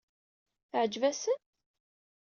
Teɛǧeb-asen?